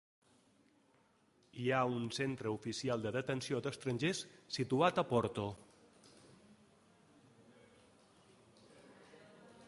Hi ha un centre oficial de detenció d'estrangers situat a Porto.